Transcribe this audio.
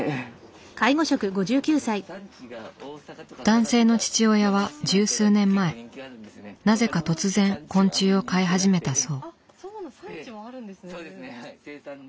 男性の父親は十数年前なぜか突然昆虫を飼い始めたそう。